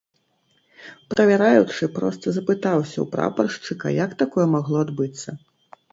Правяраючы проста запытаўся ў прапаршчыка, як такое магло адбыцца.